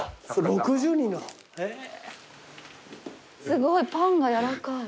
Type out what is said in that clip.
すごいパンがやらかい。